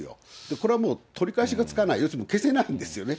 これはもう取り返しがつかない、要するに消せないんですよね。